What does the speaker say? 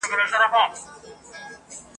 بس دا یو خوی مي د پښتنو دی !.